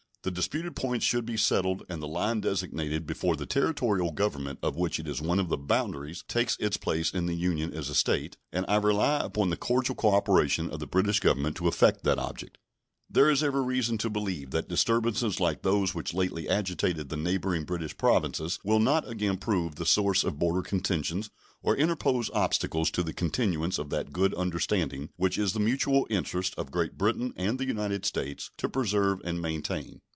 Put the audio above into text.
The disputed points should be settled and the line designated before the Territorial government of which it is one of the boundaries takes its place in the Union as a State, and I rely upon the cordial cooperation of the British Government to effect that object. There is every reason to believe that disturbances like those which lately agitated the neighboring British Provinces will not again prove the sources of border contentions or interpose obstacles to the continuance of that good understanding which it is the mutual interest of Great Britain and the United States to preserve and maintain.